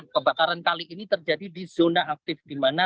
kebakaran kali ini terjadi di zona aktif